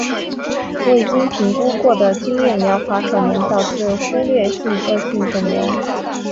未经评估过的经验疗法可能导致忽略恶性肿瘤。